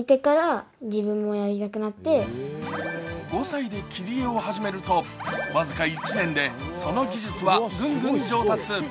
５歳で切り絵を始めると僅か１年で、その技術はぐんぐん上達。